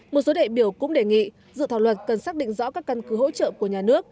một số đại biểu cũng đề nghị dự thảo luật cần xác định rõ các căn cứ hỗ trợ của nhà nước